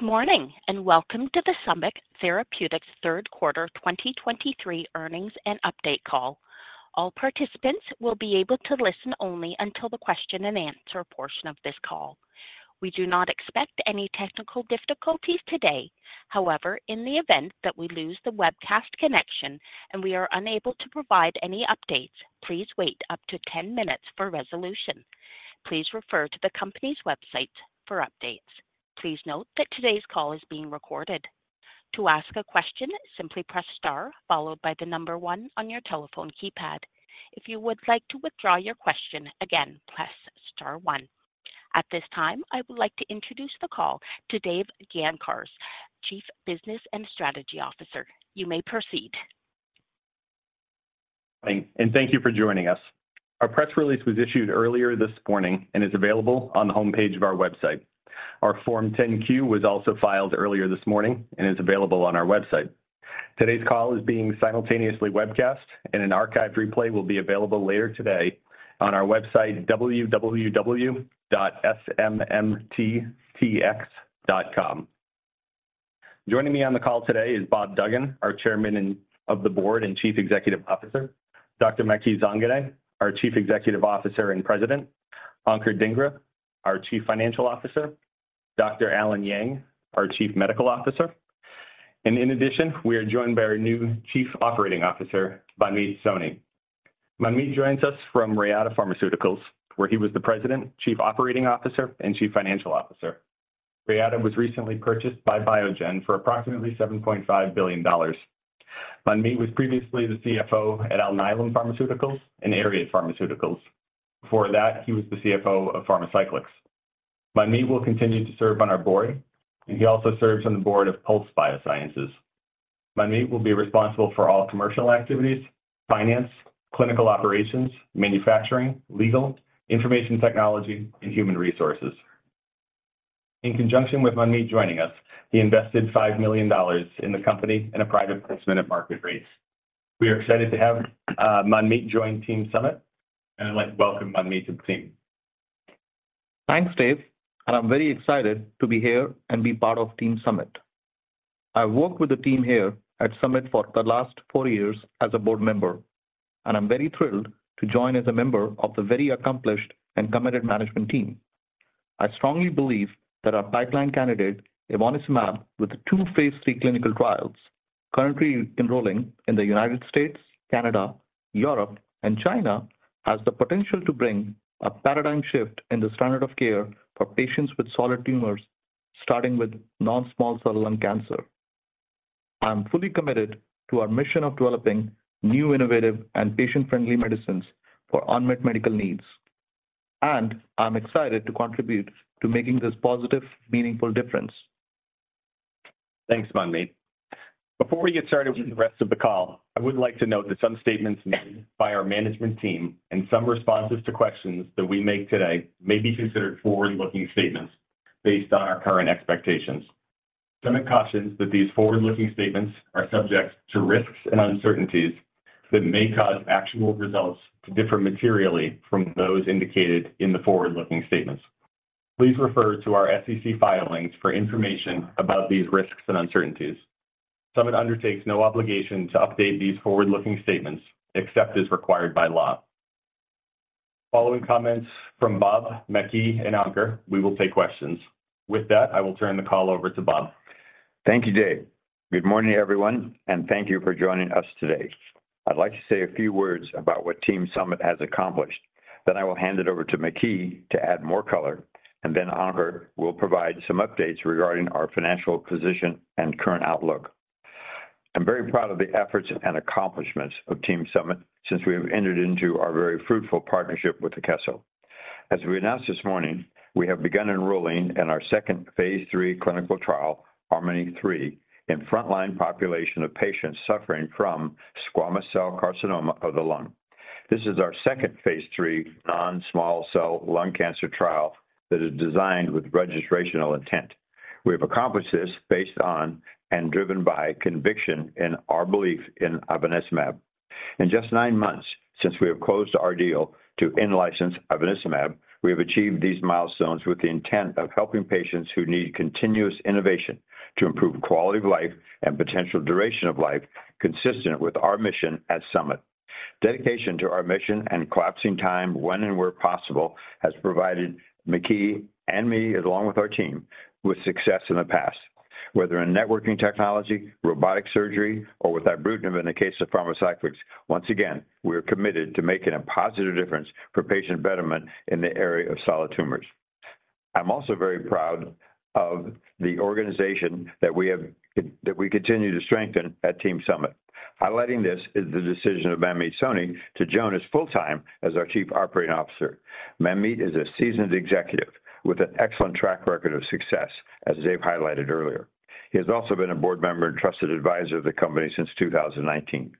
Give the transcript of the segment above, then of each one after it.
Good morning, and welcome to the Summit Therapeutics Third Quarter 2023 Earnings and Update Call. All participants will be able to listen only until the question and answer portion of this call. We do not expect any technical difficulties today. However, in the event that we lose the webcast connection and we are unable to provide any updates, please wait up to 10 minutes for resolution. Please refer to the company's website for updates. Please note that today's call is being recorded. To ask a question, simply press star followed by the number one on your telephone keypad. If you would like to withdraw your question, again, press star one. At this time, I would like to introduce the call to Dave Gancarz, Chief Business and Strategy Officer. You may proceed. Thanks, and thank you for joining us. Our press release was issued earlier this morning and is available on the homepage of our website. Our Form 10-Q was also filed earlier this morning and is available on our website. Today's call is being simultaneously webcast, and an archived replay will be available later today on our website, www.smmttx.com. Joining me on the call today is Bob Duggan, our Chairman of the Board and Chief Executive Officer, Dr. Maky Zanganeh, our Chief Executive Officer and President, Ankur Dhingra, our Chief Financial Officer, Dr. Allen Yang, our Chief Medical Officer, and in addition, we are joined by our new Chief Operating Officer, Manmeet Soni. Manmeet joins us from Reata Pharmaceuticals, where he was the President, Chief Operating Officer, and Chief Financial Officer. Reata was recently purchased by Biogen for approximately $7.5 billion. Manmeet was previously the CFO at Alnylam Pharmaceuticals and ARIAD Pharmaceuticals. Before that, he was the CFO of Pharmacyclics. Manmeet will continue to serve on our board, and he also serves on the board of Pulse Biosciences. Manmeet will be responsible for all commercial activities, finance, clinical operations, manufacturing, legal, information technology, and human resources. In conjunction with Manmeet joining us, he invested $5 million in the company in a private placement at market rates. We are excited to have Manmeet join Team Summit, and I'd like to welcome Manmeet to the team. Thanks, Dave, and I'm very excited to be here and be part of Team Summit. I worked with the team here at Summit for the last four years as a board member, and I'm very thrilled to join as a member of the very accomplished and committed management team. I strongly believe that our pipeline candidate, ivonescimab, with two phase III clinical trials currently enrolling in the United States, Canada, Europe, and China, has the potential to bring a paradigm shift in the standard of care for patients with solid tumors, starting with non-small cell lung cancer. I am fully committed to our mission of developing new, innovative, and patient-friendly medicines for unmet medical needs, and I'm excited to contribute to making this positive, meaningful difference. Thanks, Manmeet. Before we get started with the rest of the call, I would like to note that some statements made by our management team and some responses to questions that we make today may be considered forward-looking statements based on our current expectations. Summit cautions that these forward-looking statements are subject to risks and uncertainties that may cause actual results to differ materially from those indicated in the forward-looking statements. Please refer to our SEC filings for information about these risks and uncertainties. Summit undertakes no obligation to update these forward-looking statements, except as required by law. Following comments from Bob, Maky, and Ankur, we will take questions. With that, I will turn the call over to Bob. Thank you, Dave. Good morning, everyone, and thank you for joining us today. I'd like to say a few words about what Team Summit has accomplished. Then I will hand it over to Maky to add more color, and then Ankur will provide some updates regarding our financial position and current outlook. I'm very proud of the efforts and accomplishments of Team Summit since we have entered into our very fruitful partnership with Akeso. As we announced this morning, we have begun enrolling in our second phase III clinical trial, HARMONi-3, in frontline population of patients suffering from squamous-cell carcinoma of the lung. This is our second phase III non-small cell lung cancer trial that is designed with registrational intent. We have accomplished this based on and driven by conviction in our belief in ivonescimab. In just nine months, since we have closed our deal to in-license ivonescimab, we have achieved these milestones with the intent of helping patients who need continuous innovation to improve quality of life and potential duration of life, consistent with our mission at Summit. Dedication to our mission and collapsing time when and where possible has provided Maky and me, along with our team, with success in the past, whether in networking technology, robotic surgery, or with ibrutinib in the case of Pharmacyclics. Once again, we are committed to making a positive difference for patient betterment in the area of solid tumors. I'm also very proud of the organization that we continue to strengthen at Team Summit. Highlighting this is the decision of Manmeet Soni to join us full-time as our Chief Operating Officer. Manmeet is a seasoned executive with an excellent track record of success, as Dave highlighted earlier. He has also been a board member and trusted advisor of the company since 2019.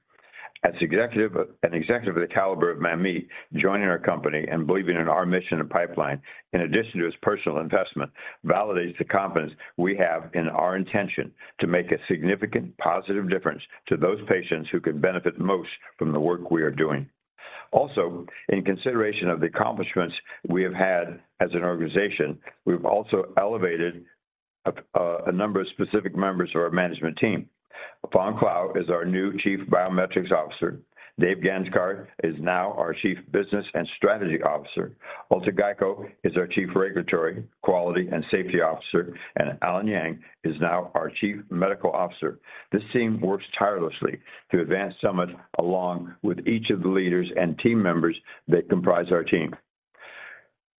An executive of the caliber of Manmeet, joining our company and believing in our mission and pipeline, in addition to his personal investment, validates the confidence we have in our intention to make a significant positive difference to those patients who can benefit most from the work we are doing. Also, in consideration of the accomplishments we have had as an organization, we've also elevated a number of specific members of our management team. Fong Clow is our new Chief Biometrics Officer. Dave Gancarz is now our Chief Business and Strategy Officer. Urte Gayko is our Chief Regulatory, Quality, and Safety Officer, and Allen Yang is now our Chief Medical Officer. This team works tirelessly to advance Summit along with each of the leaders and team members that comprise our team.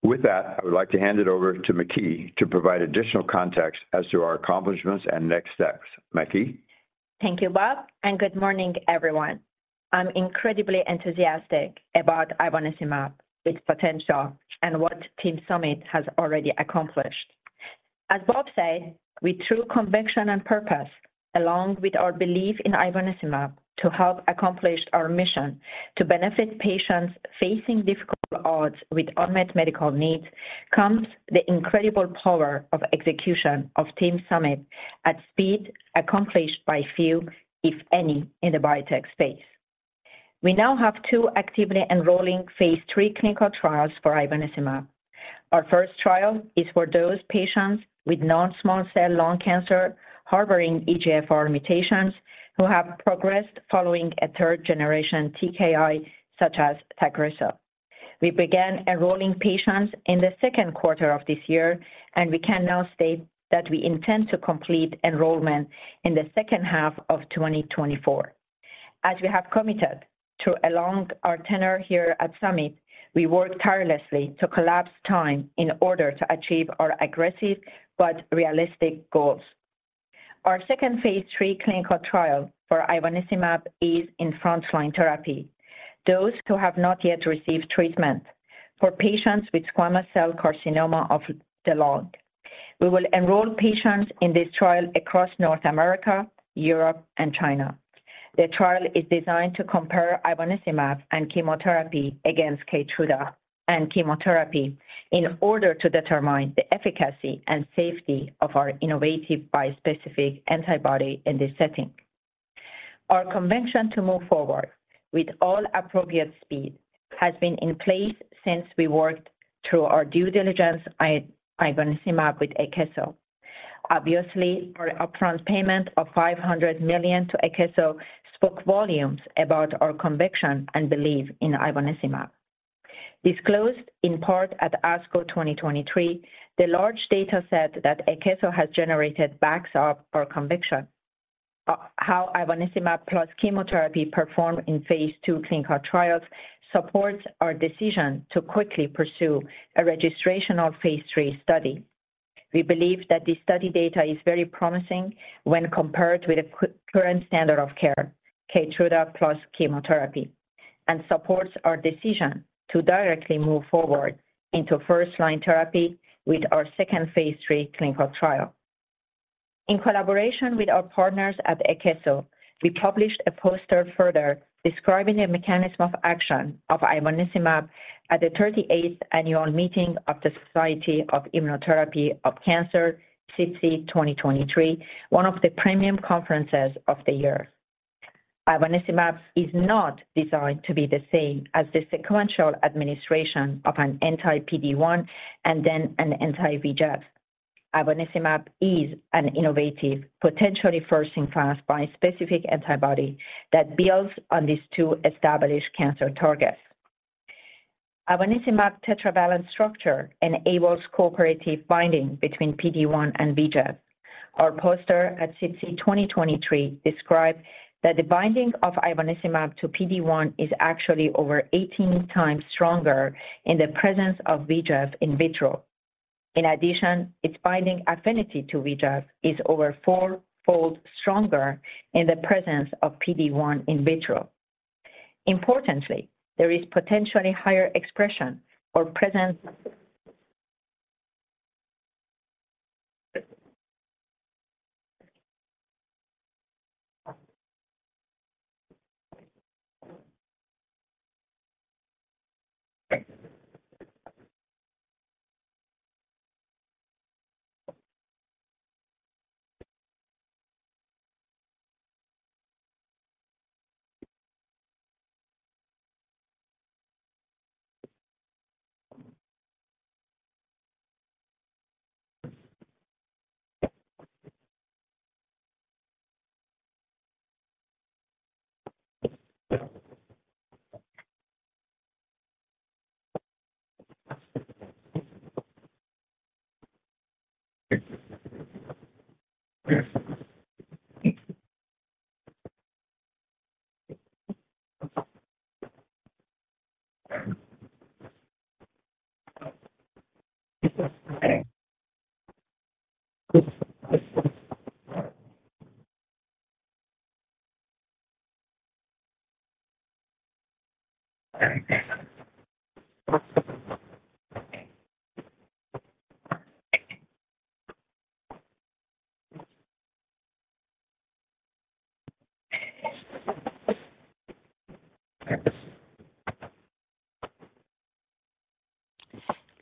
With that, I would like to hand it over to Maky to provide additional context as to our accomplishments and next steps. Maky? Thank you, Bob, and good morning, everyone. I'm incredibly enthusiastic about ivonescimab, its potential, and what Team Summit has already accomplished. As Bob said, with true conviction and purpose, along with our belief in ivonescimab to help accomplish our mission to benefit patients facing difficult odds with unmet medical needs, comes the incredible power of execution of Team Summit at speed, accomplished by few, if any, in the biotech space. We now have two actively enrolling phase III clinical trials for ivonescimab. Our first trial is for those patients with non-small cell lung cancer harboring EGFR mutations who have progressed following a third generation TKI, such as Tagrisso. We began enrolling patients in the second quarter of this year, and we can now state that we intend to complete enrollment in the second half of 2024. As we have committed to along our tenure here at Summit, we work tirelessly to collapse time in order to achieve our aggressive but realistic goals. Our second phase III clinical trial for ivonescimab is in frontline therapy, those who have not yet received treatment for patients with squamous cell carcinoma of the lung. We will enroll patients in this trial across North America, Europe, and China. The trial is designed to compare ivonescimab and chemotherapy against Keytruda and chemotherapy in order to determine the efficacy and safety of our innovative bispecific antibody in this setting. Our conviction to move forward with all appropriate speed has been in place since we worked through our due diligence on ivonescimab with Akeso. Obviously, our upfront payment of $500 million to Akeso spoke volumes about our conviction and belief in ivonescimab. Disclosed in part at ASCO 2023, the large data set that Akeso has generated backs up our conviction. How ivonescimab plus chemotherapy performed in phase III clinical trials supports our decision to quickly pursue a registrational phase III study. We believe that this study data is very promising when compared with the current standard of care, Keytruda plus chemotherapy, and supports our decision to directly move forward into first-line therapy with our second phase III clinical trial. In collaboration with our partners at Akeso, we published a poster further describing the mechanism of action of ivonescimab at the 38th annual meeting of the Society for Immunotherapy of Cancer, SITC 2023, one of the premium conferences of the year. ivonescimab is not designed to be the same as the sequential administration of an anti-PD-1 and then an anti-VEGF. Ivonescimab is an innovative, potentially first-in-class bispecific antibody that builds on these two established cancer targets. Ivonescimab tetravalent structure enables cooperative binding between PD-1 and VEGF. Our poster at SITC 2023 described that the binding of ivonescimab to PD-1 is actually over 18 times stronger in the presence of VEGF in vitro. In addition, its binding affinity to VEGF is over four-fold stronger in the presence of PD-1 in vitro. Importantly, there is potentially higher expression or presence-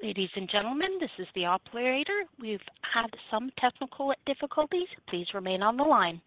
Ladies and gentlemen, this is the operator. We've had some technical difficulties. Please remain on the line.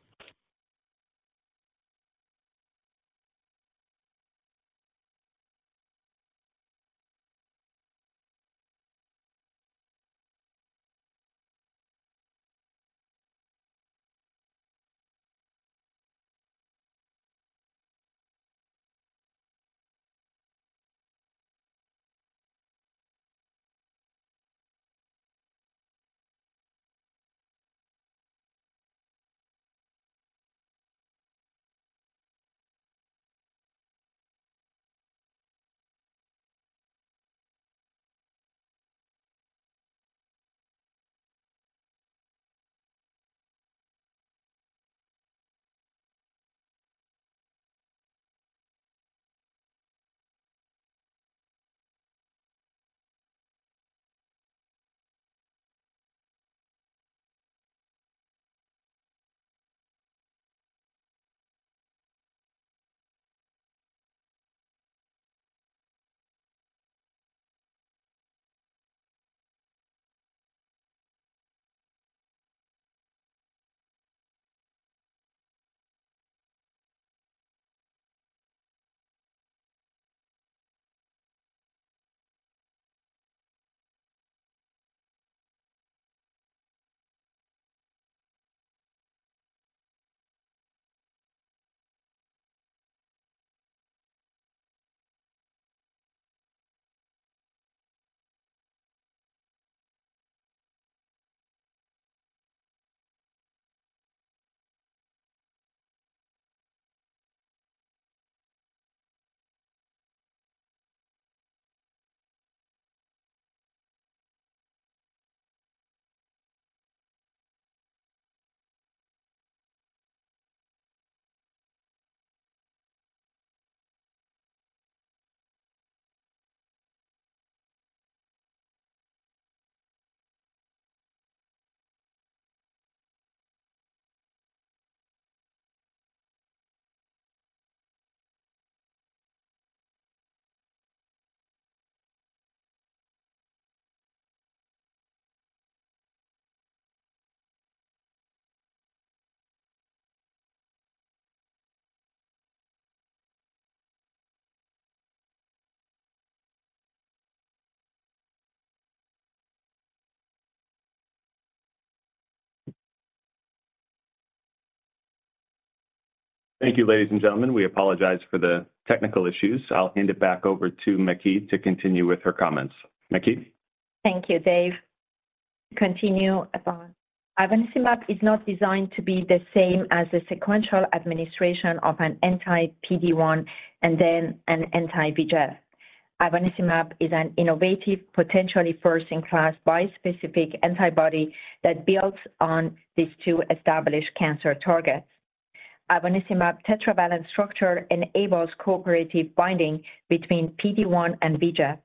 Thank you, ladies and gentlemen. We apologize for the technical issues. I'll hand it back over to Maky to continue with her comments. Maky? Thank you, Dave. Continuing upon. Ivonescimab is not designed to be the same as the sequential administration of an anti-PD-1 and then an anti-VEGF. Ivonescimab is an innovative, potentially first-in-class bispecific antibody that builds on these two established cancer targets. Ivonescimab tetravalent structure enables cooperative binding between PD-1 and VEGF.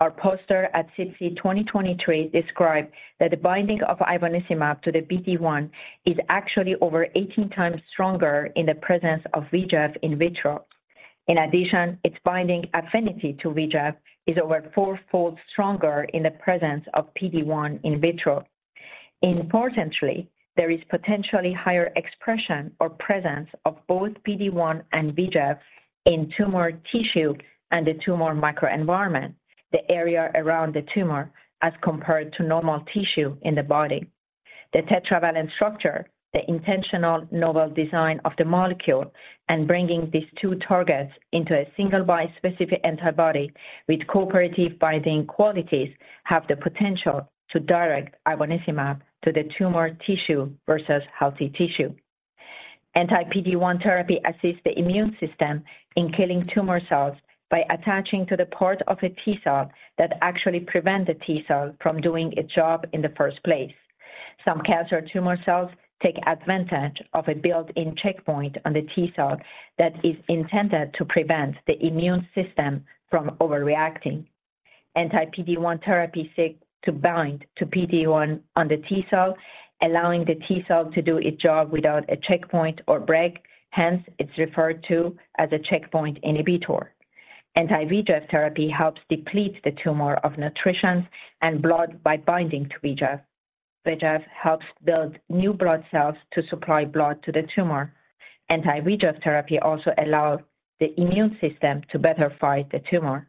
Our poster at SITC 2023 described that the binding of ivonescimab to the PD-1 is actually over 18 times stronger in the presence of VEGF in vitro. In addition, its binding affinity to VEGF is over fourfold stronger in the presence of PD-1 in vitro. Importantly, there is potentially higher expression or presence of both PD-1 and VEGF in tumor tissue and the tumor microenvironment, the area around the tumor as compared to normal tissue in the body. The tetravalent structure, the intentional novel design of the molecule, and bringing these two targets into a single bispecific antibody with cooperative binding qualities have the potential to direct ivonescimab to the tumor tissue versus healthy tissue. Anti-PD-1 therapy assists the immune system in killing tumor cells by attaching to the part of a T-cell that actually prevent the T-cell from doing its job in the first place. Some cancer tumor cells take advantage of a built-in checkpoint on the T-cell that is intended to prevent the immune system from overreacting. Anti-PD-1 therapy seeks to bind to PD-1 on the T-cell, allowing the T-cell to do its job without a checkpoint or break, hence, it's referred to as a checkpoint inhibitor. Anti-VEGF therapy helps deplete the tumor of nutrition and blood by binding to VEGF, which helps build new blood cells to supply blood to the tumor. Anti-VEGF therapy also allows the immune system to better fight the tumor.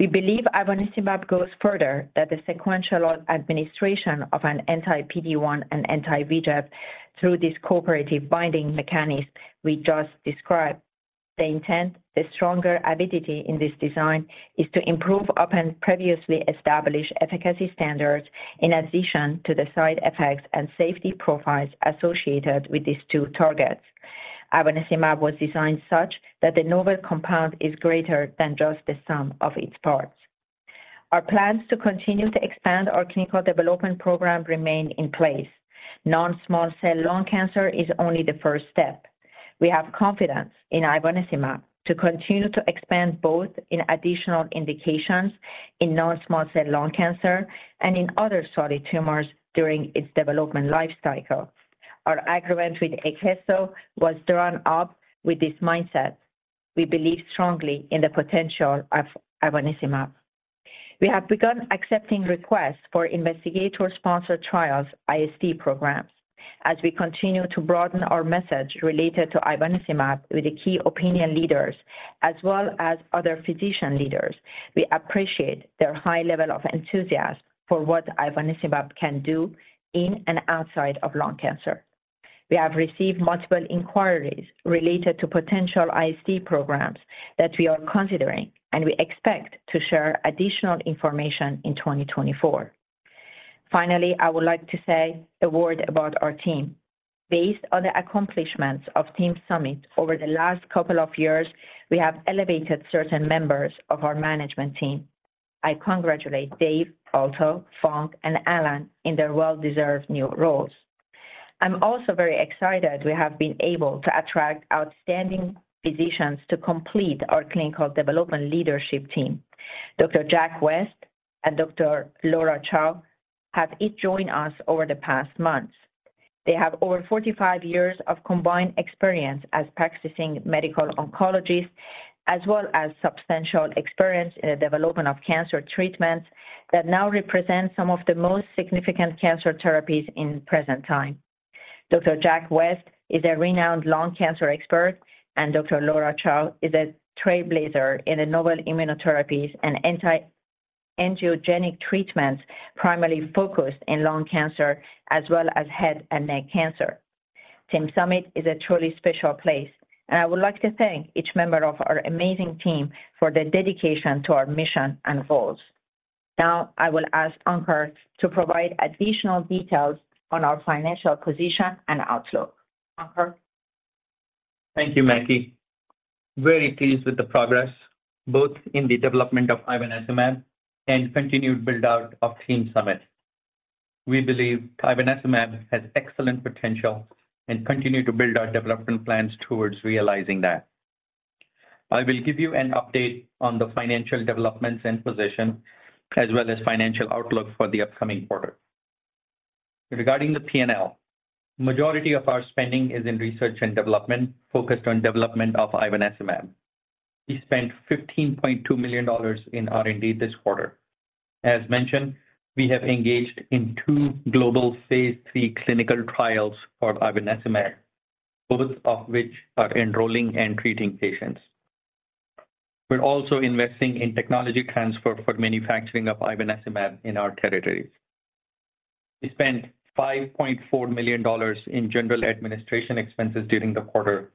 We believe ivonescimab goes further than the sequential administration of an anti-PD-1 and anti-VEGF through this cooperative binding mechanism we just described. The intent, the stronger avidity in this design is to improve upon previously established efficacy standards in addition to the side effects and safety profiles associated with these two targets. Ivonescimab was designed such that the novel compound is greater than just the sum of its parts. Our plans to continue to expand our clinical development program remain in place. Non-small cell lung cancer is only the first step. We have confidence in ivonescimab to continue to expand both in additional indications in non-small cell lung cancer and in other solid tumors during its development lifecycle. Our agreement with Akeso was drawn up with this mindset. We believe strongly in the potential of ivonescimab. We have begun accepting requests for investigator-sponsored trials, IST programs, as we continue to broaden our message related to ivonescimab with the key opinion leaders as well as other physician leaders. We appreciate their high level of enthusiasm for what ivonescimab can do in and outside of lung cancer. We have received multiple inquiries related to potential IST programs that we are considering, and we expect to share additional information in 2024. Finally, I would like to say a word about our team. Based on the accomplishments of Team Summit over the last couple of years, we have elevated certain members of our management team. I congratulate Dave, Urte, Fong, and Allen in their well-deserved new roles. I'm also very excited we have been able to attract outstanding physicians to complete our clinical development leadership team. Dr. Jack West and Dr. Laura Chow have each joined us over the past months. They have over 45 years of combined experience as practicing medical oncologists, as well as substantial experience in the development of cancer treatments that now represent some of the most significant cancer therapies in present time. Dr. Jack West is a renowned lung cancer expert, and Dr. Laura Chow is a trailblazer in the novel immunotherapies and anti-angiogenic treatments, primarily focused in lung cancer as well as head and neck cancer. Team Summit is a truly special place, and I would like to thank each member of our amazing team for their dedication to our mission and goals. Now, I will ask Ankur to provide additional details on our financial position and outlook. Ankur? Thank you, Maky. Very pleased with the progress, both in the development of ivonescimab and continued build-out of Team Summit. We believe ivonescimab has excellent potential and continue to build our development plans towards realizing that. I will give you an update on the financial developments and position, as well as financial outlook for the upcoming quarter. Regarding the P&L, majority of our spending is in research and development, focused on development of ivonescimab. We spent $15.2 million in R&D this quarter. As mentioned, we have engaged in two global phase III clinical trials for ivonescimab, both of which are enrolling and treating patients. We're also investing in technology transfer for manufacturing of ivonescimab in our territories. We spent $5.4 million in general administration expenses during the quarter,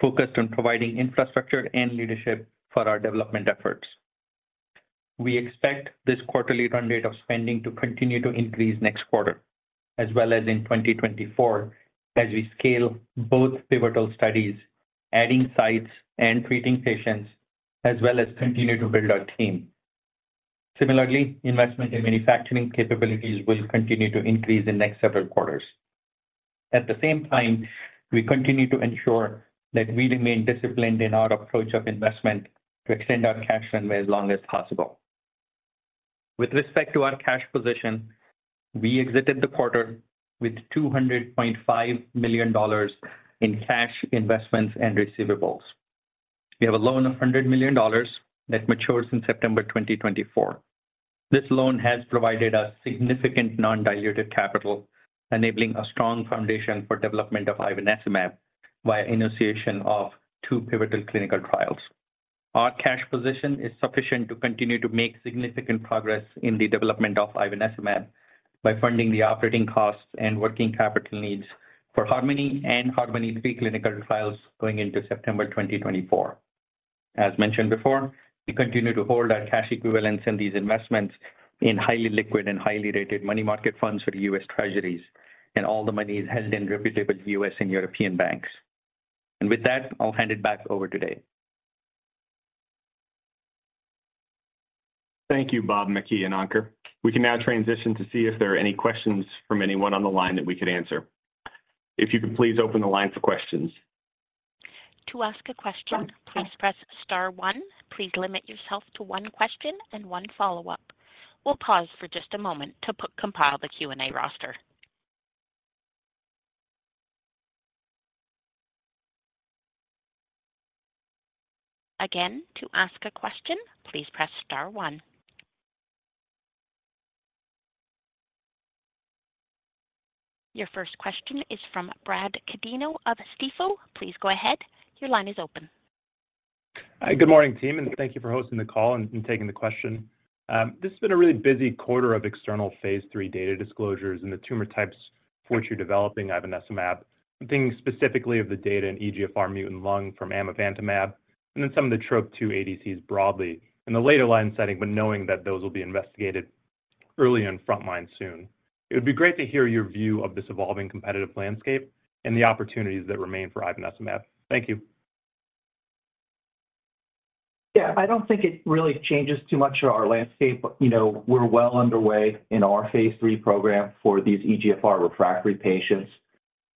focused on providing infrastructure and leadership for our development efforts. We expect this quarterly run rate of spending to continue to increase next quarter, as well as in 2024, as we scale both pivotal studies, adding sites and treating patients, as well as continue to build our team. Similarly, investment in manufacturing capabilities will continue to increase in next several quarters. At the same time, we continue to ensure that we remain disciplined in our approach of investment to extend our cash runway as long as possible. With respect to our cash position, we exited the quarter with $200.5 million in cash investments and receivables. We have a loan of $100 million that matures in September 2024. This loan has provided a significant non-diluted capital, enabling a strong foundation for development of ivonescimab by initiation of two pivotal clinical trials. Our cash position is sufficient to continue to make significant progress in the development of ivonescimab by funding the operating costs and working capital needs for HARMONi and HARMONi-3 clinical trials going into September 2024. As mentioned before, we continue to hold our cash equivalents in these investments in highly liquid and highly rated money market funds for the U.S. Treasuries, and all the money is held in reputable U.S. and European banks. With that, I'll hand it back over to Dave. Thank you, Bob, Maky, and Ankur. We can now transition to see if there are any questions from anyone on the line that we could answer. If you could please open the line for questions. To ask a question, please press star one. Please limit yourself to one question and one follow-up. We'll pause for just a moment to put, compile the Q&A roster. Again, to ask a question, please press star one. Your first question is from Brad Canino of Stifel. Please go ahead. Your line is open. Hi. Good morning, team, and thank you for hosting the call and taking the question. This has been a really busy quarter of external phase III data disclosures and the tumor types which you're developing ivonescimab. I'm thinking specifically of the data in EGFR mutant lung from amivantamab and then some of the Trop-2 ADCs broadly in the later line setting, but knowing that those will be investigated early in frontline soon. It would be great to hear your view of this evolving competitive landscape and the opportunities that remain for ivonescimab. Thank you. Yeah, I don't think it really changes too much of our landscape. You know, we're well underway in our phase III program for these EGFR refractory patients.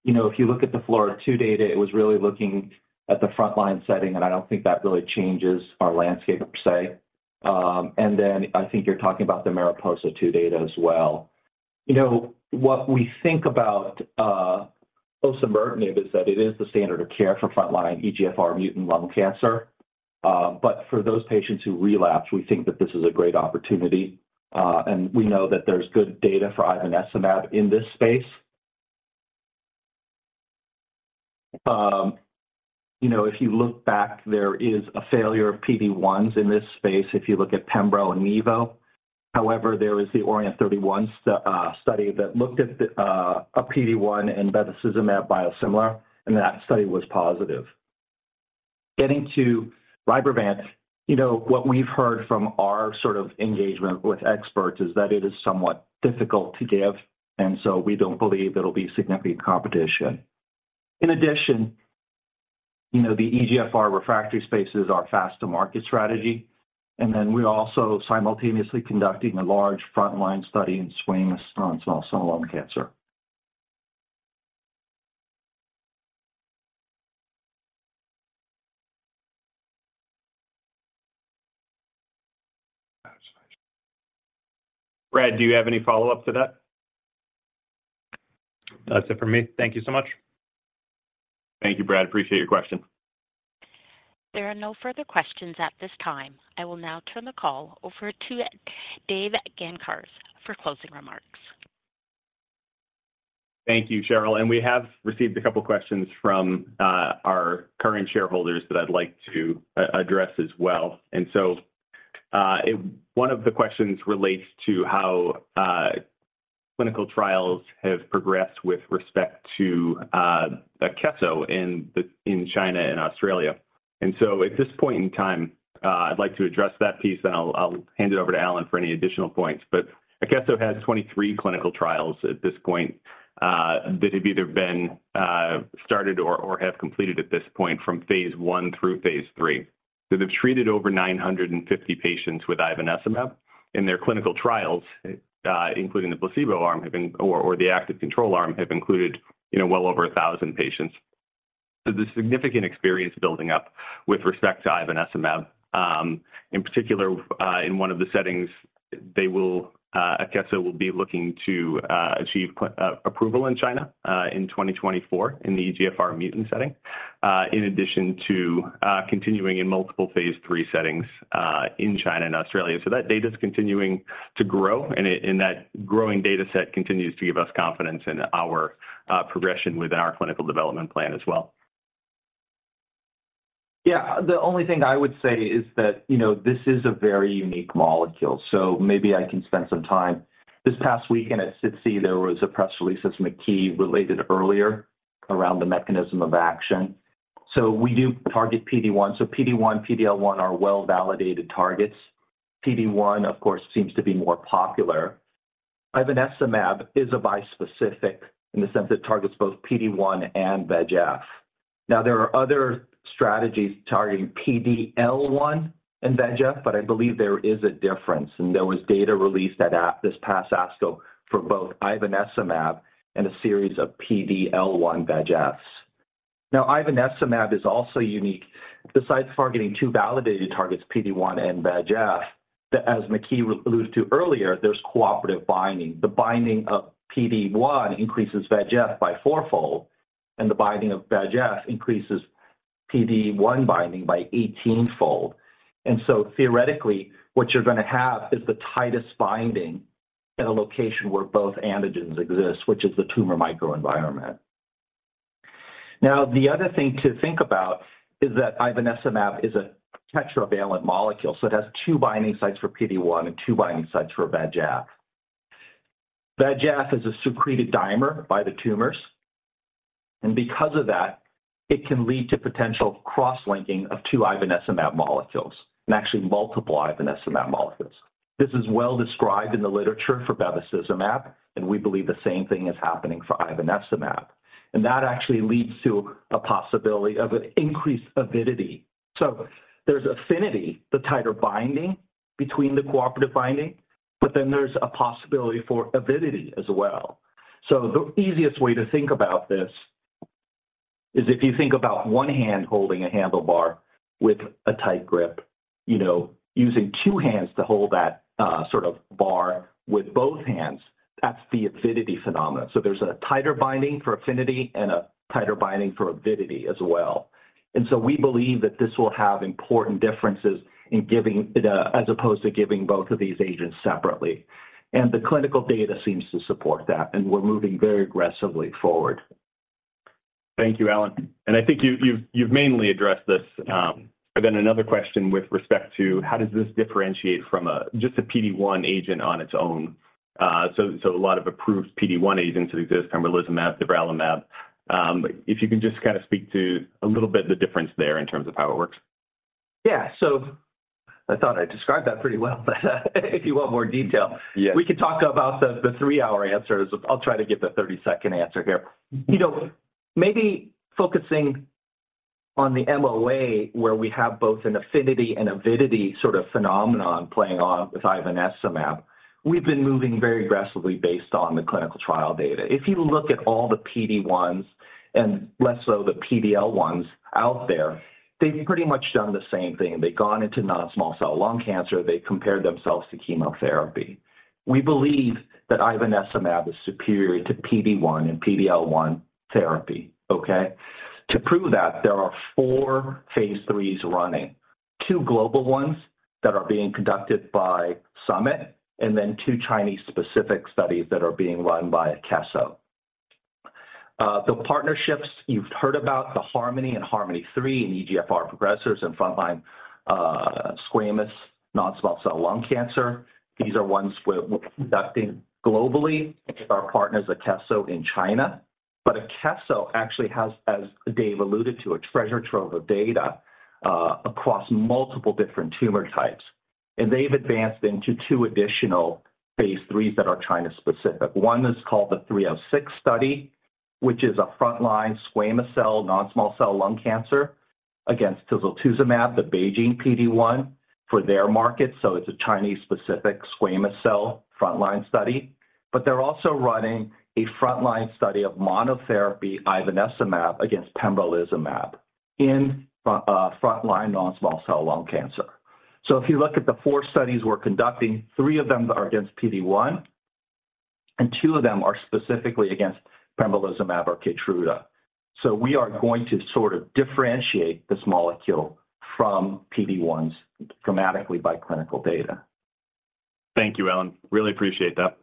You know, if you look at the FLAURA-2 data, it was really looking at the frontline setting, and I don't think that really changes our landscape, per se. And then I think you're talking about the MARIPOSA-2 data as well. You know, what we think about osimertinib is that it is the standard of care for frontline EGFR mutant lung cancer. For those patients who relapse, we think that this is a great opportunity, and we know that there's good data for ivonescimab in this space. You know, if you look back, there is a failure of PD-1s in this space, if you look at pembro and nivo. However, there is the ORIENT-31 study that looked at a PD-1 and bevacizumab biosimilar, and that study was positive. Getting to Rybrevant, you know, what we've heard from our sort of engagement with experts is that it is somewhat difficult to give, and so we don't believe there will be significant competition. In addition, you know, the EGFR refractory space is our fast-to-market strategy, and then we're also simultaneously conducting a large frontline study in squamous non-small cell lung cancer. Brad, do you have any follow-up to that? That's it for me. Thank you so much. Thank you, Brad. Appreciate your question. There are no further questions at this time. I will now turn the call over to Dave Gancarz for closing remarks. Thank you, Cheryl, and we have received a couple questions from our current shareholders that I'd like to address as well. One of the questions relates to how clinical trials have progressed with respect to Akeso in China and Australia. At this point in time, I'd like to address that piece, then I'll hand it over to Allen for any additional points. Akeso has 23 clinical trials at this point that have either been started or have completed at this point from phase I through phase III. They've treated over 950 patients with ivonescimab, and their clinical trials, including the placebo arm, or the active control arm, have included, you know, well over 1,000 patients. So there's significant experience building up with respect to ivonescimab. In particular, in one of the settings, Akeso will be looking to achieve an approval in China in 2024 in the EGFR mutant setting, in addition to continuing in multiple phase III settings in China and Australia. So that data is continuing to grow, and that growing data set continues to give us confidence in our progression within our clinical development plan as well. Yeah. The only thing I would say is that, you know, this is a very unique molecule, so maybe I can spend some time. This past weekend at SITC, there was a press release that Maky related earlier around the mechanism of action. So we do target PD-1. So PD-1, PD-L1 are well-validated targets. PD-1, of course, seems to be more popular. Ivonescimab is a bispecific in the sense it targets both PD-1 and VEGF. Now, there are other strategies targeting PD-L1 and VEGF, but I believe there is a difference, and there was data released at this past ASCO for both ivonescimab and a series of PD-L1 VEGFs. Now, ivonescimab is also unique. Besides targeting two validated targets, PD-1 and VEGF, that as Maky alluded to earlier, there's cooperative binding. The binding of PD-1 increases VEGF by fourfold, and the binding of VEGF increases PD-1 binding by eighteenfold. Theoretically, what you're gonna have is the tightest binding at a location where both antigens exist, which is the tumor microenvironment. Now, the other thing to think about is that ivonescimab is a tetravalent molecule, so it has two binding sites for PD-1 and two binding sites for VEGF. VEGF is a secreted dimer by the tumors, and because of that, it can lead to potential cross-linking of two ivonescimab molecules and actually multiple ivonescimab molecules. This is well described in the literature for bevacizumab, and we believe the same thing is happening for ivonescimab, and that actually leads to a possibility of an increased avidity. So there's affinity, the tighter binding between the cooperative binding, but then there's a possibility for avidity as well. So the easiest way to think about this is if you think about one hand holding a handlebar with a tight grip, you know, using two hands to hold that, sort of bar with both hands, that's the avidity phenomenon. So there's a tighter binding for affinity and a tighter binding for avidity as well. And so we believe that this will have important differences in giving the, as opposed to giving both of these agents separately. And the clinical data seems to support that, and we're moving very aggressively forward. Thank you, Allen, and I think you've mainly addressed this, but then another question with respect to how does this differentiate from a, just a PD-1 agent on its own? So, a lot of approved PD-1 agents exist, pembrolizumab, nivolumab. If you can just kind of speak to a little bit the difference there in terms of how it works. Yeah. So I thought I described that pretty well, but if you want more detail- Yeah. We can talk about the 3-hour answers. I'll try to give the 30-second answer here. You know, maybe focusing on the MOA, where we have both an affinity and avidity sort of phenomenon playing on with ivonescimab, we've been moving very aggressively based on the clinical trial data. If you look at all the PD-1s and less so the PD-L1s out there, they've pretty much done the same thing. They've gone into non-small cell lung cancer. They've compared themselves to chemotherapy. We believe that ivonescimab is superior to PD-1 and PD-L1 therapy, okay? To prove that, there are four phase IIIs running, two global ones that are being conducted by Summit, and then two Chinese-specific studies that are being run by Akeso. The partnerships you've heard about, the HARMONi and HARMONi-3 in EGFR progressors and frontline squamous non-small cell lung cancer, these are ones we're conducting globally with our partners, Akeso, in China. But Akeso actually has, as Dave alluded to, a treasure trove of data across multiple different tumor types, and they've advanced into two additional phase IIIs that are China-specific. One is called the 306 study, which is a frontline squamous cell non-small cell lung cancer against tislelizumab, the BeiGene PD-1, for their market. So it's a Chinese-specific squamous cell frontline study. But they're also running a frontline study of monotherapy ivonescimab against pembrolizumab in frontline non-small cell lung cancer. So if you look at the four studies we're conducting, three of them are against PD-1, and two of them are specifically against pembrolizumab or Keytruda. So we are going to sort of differentiate this molecule from PD-1s dramatically by clinical data. Thank you, Allen. Really appreciate that.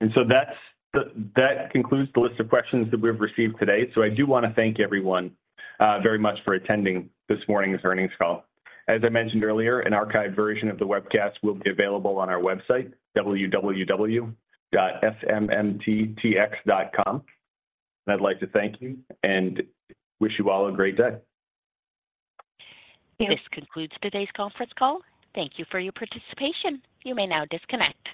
And so that concludes the list of questions that we've received today. So I do want to thank everyone very much for attending this morning's earnings call. As I mentioned earlier, an archived version of the webcast will be available on our website, www.smmttx.com. I'd like to thank you and wish you all a great day. This concludes today's conference call. Thank you for your participation. You may now disconnect.